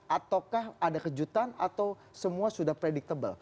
ataukah ada kejutan atau semua sudah predictable